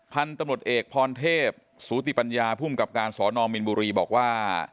พันธุ์ตำรวจเอกพรเทพสูติปัญญาภูมิกับการสอนอมมินบุรีบอกว่า